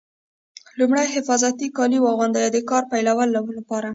لومړی حفاظتي کالي واغوندئ د کار پیلولو لپاره.